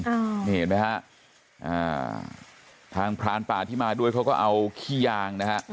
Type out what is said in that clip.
อ่านี่เห็นไหมฮะอ่าทางพรานป่าที่มาด้วยเขาก็เอาขี้ยางนะฮะ